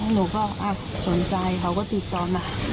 หนูก็อ้าวสนใจเขาก็ติดตอบละ